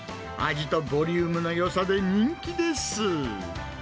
味とボリュームのよさで人気です。